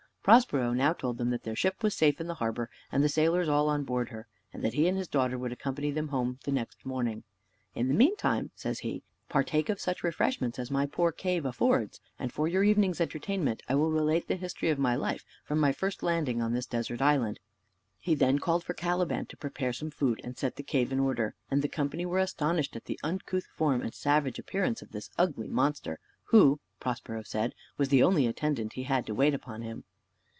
Prospero now told them that their ship was safe in the harbor, and the sailors all on board her, and that he and his daughter would accompany them home the next morning. "In the meantime," says he, "partake of such refreshments as my poor cave affords; and for your evening's entertainment I will relate the history of my life from my first landing in this desert island." He then called for Caliban to prepare some food, and set the cave in order; and the company were astonished at the uncouth form and savage appearance of this ugly monster, who (Prospero said) was the only attendant he had to wait upon him.